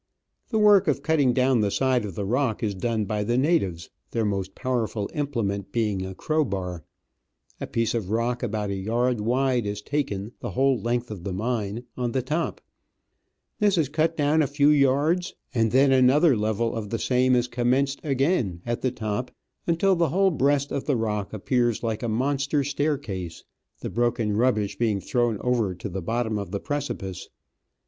The work of cutting down the side of the rock is done by the natives, their most powerful implement being a crowbar. A piece of rock about a yard wide is taken, the whole length of the mine, on the top ; this is cut down a few yards, and then another level of the same is commenced again at the top, until the whole breast of the rock appears like a monster stair case, the broken rubbish being thrown over to the bottom of the precipice.